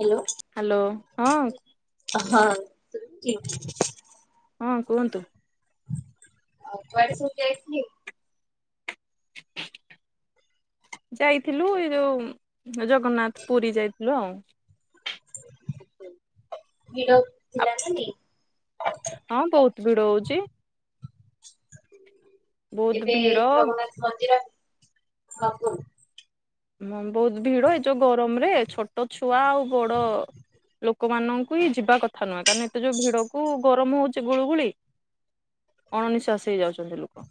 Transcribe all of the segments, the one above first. Hello. Hello -ହଁ। ହଁ- ଠିକ୍। ହଁ- କୁହନ୍ତୁ। ଆଉ କୁଆଡେ ସବୁ ଯାଇଥିଲେ? ଯାଇଥିଲୁ ଏଇ ଯଉ ଜଗନ୍ନାଥ୍ ପୁରୀ ଯାଇଥିଲୁ ଆଉ। ଭିଡ ଥିଲା ନା ନାଇ? ହଁ ବହୁତ୍ ଭିଡ ହଉଚି। ବହୁତ ଏବେ ଭିଡ ଜଗନ୍ନାଥ୍ ମନ୍ଦିର। [unintelligible] ହଁ ବହୁତ ଭିଡ ଏ ଯୋଉ ଗରମ ରେ ଛୋଟ ଛୋଟ ଛୁଆ ଆଉ ବଡ ଲୋକମାନଙ୍କୁ ହିଁ ଯିବା କଥା ଥା ନୁହଁ କାରଣ ଏତେ ଯୋଉ ଭିଡକୁ ଗରମ ହଉଛି। ଏତେ ଗୁଳୁଗୁଳି ଅଣ ନିିଶ୍ଵାସ ହେଇ ଯାଉଚନ୍ତି ଲୋକ।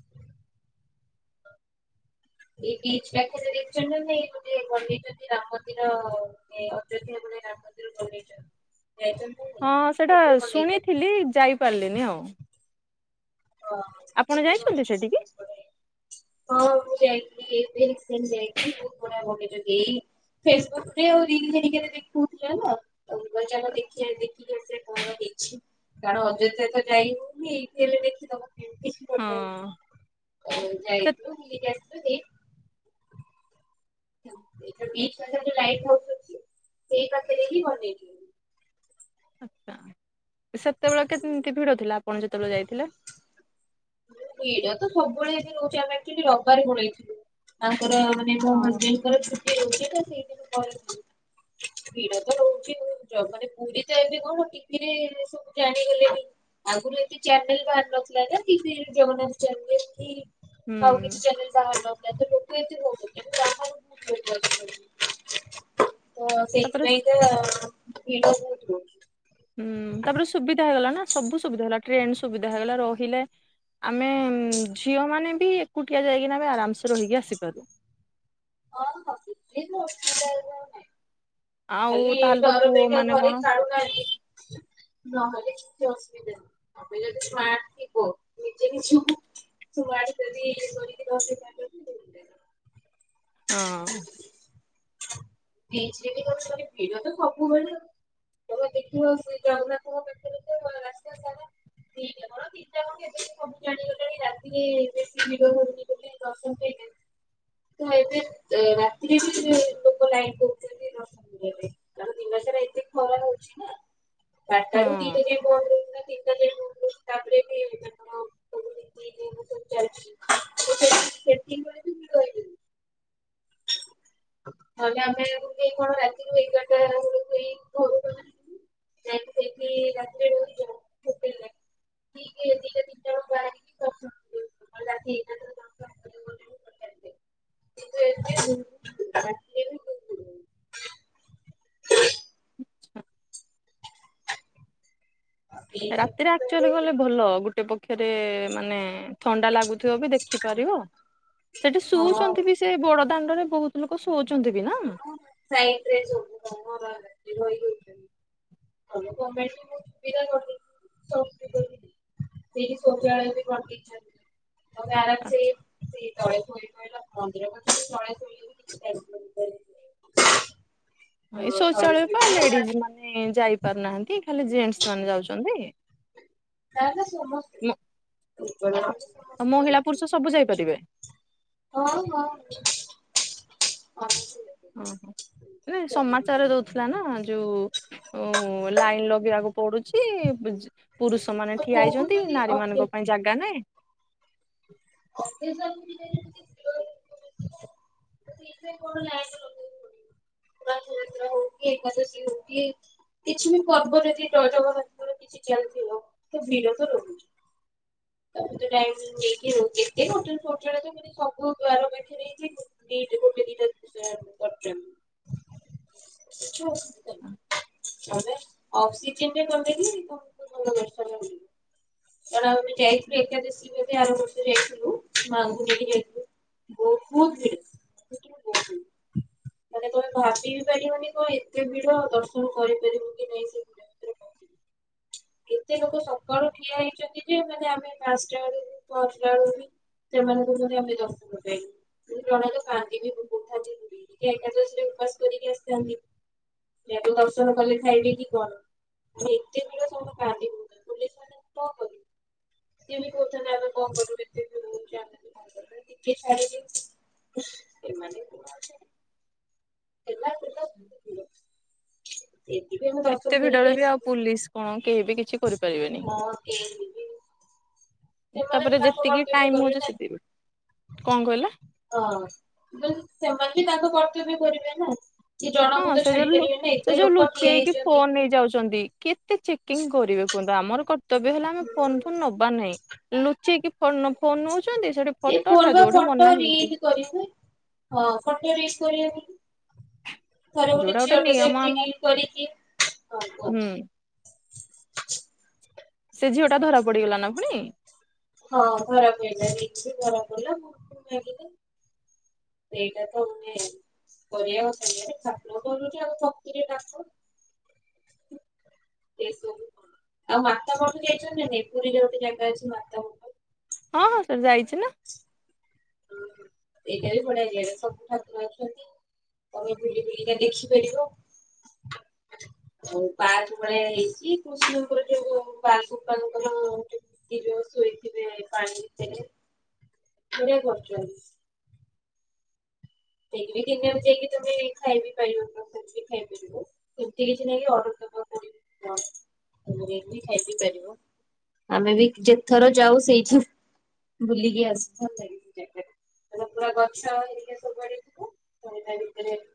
ଏଇ ବିଚ ପାଖରେ ଦେଖିଛନ୍ତି ନାାଇ ଗୋଟେ ଖୋଲି ବେଇଛନ୍ତି ରାମ ମନ୍ଦିର ଏଇ ଅଜାତିଆ ଗୁଡ଼େ ରାମ ମନ୍ଦିର ବନେଇ ଚନ୍ତି। ହଁ ସେଟା ଶୁଣିଥିଲି ଯାଇପାରିଲିନି ଆଉ। ହଁ। ଆପଣ ଯାଇଛନ୍ତି ସେଠିକି? ହଁ ମୁ ଯାଇଥିଲି ଏବେ ରି ସେଣ୍ଟିଲ ଯାଇକି ବହୁତ ବଡ଼ିଆ ବନେଇଚନ୍ତି। ଫେସବୁକ୍ ରେ ଆ ରିଲ୍ହେରିକାରେ ଦେଖଥିଲେ ନା ଆଉ ଗଜ ଦେଖି ଠିକ ଅଛି ସେ କଣ ଦେଇଛି କାରଣ ଅଯୋଧ୍ୟ ତ ଯାଇ ହଉନି ଏଇଠି ହେଲେ ଦେଖିଦବ। ହଁ ଯାଇୁ ସେ [unintelligible] ଇ ଲାଇଟ ହାଉସ୍‌ ଅଛି ସେଇ ପାଖରେ ହିଁ ବନେଇଚି। ଆକା ସେତେବେଳେ କେମିତି ଭିଡ ଥିଲା ଆପଣ ଯେତେବେଳେ ଯାଇଥିଲେ? ଭିଡ଼ ତ ସବୁବେଳେ ଏମିତି ରଉଛି ଆମେ ଆକ୍ରଚ୍ବାଲି ରବିବାରେ ପଳେଇଥିଲୁ ତାଙ୍କର ମାନେ ମୋ ହଁ ହଜ୍‌ବେଣ୍ଡ ର ଛୁଟି ହଉଛି ନା ସେଇଥିପାଇଁ ପଳେଇ। ଭିଡ ତ ରହୁଛି ମାନେ ପୁରୀ ତ ଏବେ କଣ ଟିଭିରେ ସବୁ ଜାଣିଗଲେଣିି। ଆଗରୁ ଏତେ ଚ୍ୟାନେଲ ବାହାରି ନଥିଲା ନା ଟିଭିରେ। ଚ କି ହୁଁ ଆଉି ଚେ ଯ ହ [unintelligible] [unintelligible] ତ ତାପରେ ସେଇଥିପାଇଁ ତ ଭିଡ ହଉଥିବ। ହୁଁ ତାପରେ ସୁବିଧା ହେଇଗଲା ନା ସବୁ ସୁବିଧା ହେଲା ଟ୍ରେନ ସୁବିଧା ହେଇଗଲା ରହିଲେ ଆମେ ଝିଅମାନେ ବି ଏକୁଟିଆ ଯାଇକିନା ଆମେ ଆରାମସେ ରହିକି ଆସିପାରୁ। ଅଁ ହଁ ସେହି [unintelligible] ଆଉ ଖାଲି ତାହେଲେ ତ ପୁଅ ଦରପେକ୍ଷା ମାନେ ଥରେ କଣ ସାଢୁହାନ୍ତି। ନହେଲେ କି ଅସୁବିଧା ନାହିଁ। ଆମେ ଯଦି ସ୍ନାଟ ଥିବ ନିଜେ କିଛି କରି ଦ [unintelligible] ହଁ। ବଜସ ଭିଡ଼ ତ କପୁ ହେ [unintelligible] ତମେ ଦେଖିବ ସେ ଜଗନ୍ନାଥଙ୍କ ପାଖରେ [unintelligible] ପୂଜା କଅଁ କିସବୁ ଜାଣିଗଲାଣି ରାତିରେ ବେଶୀ ଭିଡ଼ ହଉନି ଗୋଟେ ଦର୍ଶନ ପାଇି ତ ଏବେ ରାତିରେ ବି ଲୋକ ଲାଇନ୍‌ କରୁଛନ୍ତି ର କିନ୍ତୁ ଏବେତାର ଦିନ ସାରା ଏତେ ଖରା ହଉଛି ନା ଚାରିଟାରୁ ହଁ ଦିଟାଯାକେ ବନ୍ଦ ରହିଥିଲା ଟି। ପ [unintelligible] ଚାଲିଛି ସେଥିକିବେଳେ କିଛି କହିଲୁନି? ନହେଲେ ଆମେ କେହି କଣ ରାତିରୁୁ ଏଗାରଟାଳୁ କେହି ଘରୁ ଯାଇଁକି ସେଇଠି ରାତିରେ ରହିଲୁ ହୋଟେଲେରେ। ଠିକ୍ ଦିଟା ତିନିଟା ବେଳୁ ବାହାରିଲୁ [unintelligible] କିନ୍ତୁ ଏବେ [unintelligible] ଆଛା। ରାତିରେ ଆକ୍ଚୁଆଲି ଗଲେ ଭଲ ଗୋଟେ ପକ୍ଷରେ ମାନେ ଥଣ୍ଡା ଲାଗୁଥିବ ବି ଦେଖିପାରିବ ସେଠି ଶଉଛନ୍ତି ବି ସେ ବଡ ଦାଣ୍ଡରେ ବହୁତ ଲୋକ ଶୋଉଚନ୍ତି ବି, ନା? ସାଇଟ୍ ରେ ଯୋଉ ତମର [unintelligible] କମେ ସେଠି ସୌଚାଳୟ ବି କରିଦେଇଚନ୍ତି। ତାପରେ ଅରାମସେ ସେଇ ତଳେ ଶୋଇପଇଲ, ମନ୍ଦିର [unintelligible] ଏ ଶୌଚାଳୟ ବା ଲେଡିଜ ମାନେ ଯାଇପାରୁନାହାନ୍ତି, ଖାଲି ଜେଣ୍ଟସ ମାନେ ଯାଉଚନ୍ତି। ମ ମହିଳା, ପୁରୁଷ ସବୁ ଯାଇପାରିବେ। ହଉ ହଉ [unintelligible] ଓହୋ, ନାଇଁ ସମାଚାର ଦଉଥିଲା ନା ଯୋଉ ଓ ଲାଇନ୍ ଲଗେଇବାକୁ ପଡୁଚି [unintelligible] ପୁରୁଷ ମାନେ ଠିଆ ହେଇଚନ୍ତି, ନାରୀ ମାନଙ୍କ ପାଇଁ ଜାଗା ନାଇଁ। [unintelligible] ପୁରା ଧିରେ ଧିରେ ହଉ କି, ଏକାଦଶୀ ହଉ କି କିଛି ବି ପର୍ବ ଯଦି ର ଜଗନ୍ନାଥଙ୍କର କିଛି ଚାଲିଥିବ, ତ ଭିଡ଼ ତ ରହୁଚି। ତମେ ତ ଟାଇ ନେଇକି ରହୁ କେତେ, [unintelligible] ନିଇତି ଗୋଟେ ଦିଟା ଯାହାହେଲେ କରୁଚନ୍ତି। [unintelligible] [unintelligible] ଦର୍ଶନ [unintelligible] ଏଣା ଆମେ ଯାଇଥିଲୁ, ଏକାଦଶୀ ବୋଧେ ଆରବର୍ଷ ଯାଇଥିଲୁ, ମାଙ୍କୁ ନେଇିକି ଯାଇଥିଲୁ। ବହୁତ ଭିଡ଼, [unintelligible] ମାନେ କଣେ ଭାବି ବିି ପାରିବନି କଣ ଏତେ ଭିଡ, ଦର୍ଶନ କରିପାରିବୁ କି ନାଇଁ ସେଦିନ? କେତେ ଲୋକ ସକାଳୁ ଠିଆ ହେଇଛନ୍ତି ଯେ, ମାନେ ଆମେ ପାଞ୍ଚଟା ବେଳୁ ପହଞ୍ଚିଲା ବେଳୁ ବି ସେମାନେ ତ ଆମେ ଦ [unintelligible] ମୋ ନଣନ୍ଦ କାନ୍ଦି ବି ପକଉଥାନ୍ତି [unintelligible] [unintelligible] ଏକାଦଶୀ ରେ ଉପାସ କରିକି ଆସିଥାନ୍ତି। ଜଗା ଦେବ ଦର୍ଶନ କଲେ ଖାଇବେ କି କଣ? ଏତେବେଳୁ କଣ କାନ୍ଦି ପକାଉଥାନ୍ତି, ପୋଲିସ ମାଡାମ କଣ କରିବେ? ସିଏ ବି କହୁଥିଲେ ଆମେ କଣ କରୁବୁ, ଏତେ ଭିଡ଼ ହଉଚି ଆମେ ବି [unintelligible] ହେଲା ଯେ [unintelligible] ଏଥିପାଇଁ ମୁଁ ଏତେ ଭିଡରେ ବି ଆଉ ପୋଲିସ କଣ, କେହି ବି କିଛି କରିପାରିବେନି। ତାପରେ ଯେତିକି ଟାଇମ ହଉଚି ସେତିକି, କଣ କହିଲ? ହଁ, ଯେହେତୁ ସେମାନେ କି ତାଙ୍କ କର୍ତ୍ତବ୍ୟ କରିବେ ନା। ହଁ, ସେ ଯ, ସେ ଯୋଉ ଲୁଚେଇକି ଫୋନ ନେଇ ଯାଉଚନ୍ତି। କେତେ ଚେକିଂ କରିବେ କୁହନ୍ତୁ, ଆମର କର୍ତ୍ତବ୍ୟ ହେଲା ଆମେ ଫୋନ ଫୋନ ନବା ନାହିଁ। ଲୁଚେଇକି ଫୋ ଫୋନ ନଉଚନ୍ତି, ସେଠି ଫଟୋ ଉଠା, ଯୋଉଟା ମନା ହେଇଛି ରିଲ କରିବୁ, ହଁ, ଫୋନ ରେ ରିଲ କରିବେ ବୋଲି। ଥରେ ଗୋଟେ ଯୋଉଟା ଝିଅଟେ ନିୟମ ଆମ ସେମିତି କରି କି, ହଁ ହୁଁ ସେ ଝିଅ ଟା ଧରା ପଡିଗଲା ନା ଫୁଣି? ହଁ ଧରାପଇଲା, ରିଲ ରୁ ଧରା ପଇଲା, ଭୁଲ ଫୁଲ ମାଗିଲେ। ଏଇ କଥାକୁ ନେଇ ଏନ କରିବା କଥା ନୁହେଁ, [unintelligible] ଭକ୍ତିରେ ଡାକ। ଏ ସବୁ କଣ? ଆଉ ମାତା ମଠ ଯାଇଚନ୍ତି ନା ନାଇଁ, ପୁରୀରେ ଗୋଟେ ଜାଗା ଅଛି ମାତା ମଠ? ହଁ ହଁ ସେଠି ଯାଇଛି ନା। ଏଇଟା ବି ବଢଆ ଇଏରେ ସବୁ ଠାକୁର ଅଛନ୍ତି। ତମେ ବୁଲି ବୁଲିିକା ଦେଖିପାରିବ। ଆଉ ପାଠ ଭଳିଆ ହେଇଛି କୃଷଣଙ୍କର ଯୋଉ ପାକ ପାଙ୍କର ଏଇ ଯୋଉ ଶୋଇଥିବେ ପାଣିି ଭିତରେ। କୁଡ଼ିଆ କରୁଛନ୍ତି। ଦେଇବି ତିନି ଆ ଯାଇକି ତମେ ଖାଇବି ପାରିବ ଖାଇପାରିବ। ଏମିତି କିଛି ନଁ ଅର ଖାଇବି ପାରିବ। ଆମେ ବି ଯେଥର ଯାଉ ସେଇଠି ବୁଲିକି ଆସିଥା। [unintelligible]